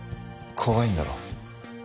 怖いんだろ？